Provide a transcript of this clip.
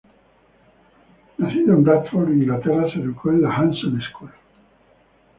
Nacido en Bradford, Inglaterra, se educó en la Hanson School.